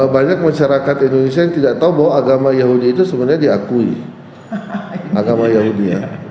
banyak masyarakat indonesia yang tidak tahu bahwa agama yahudi itu sebenarnya diakui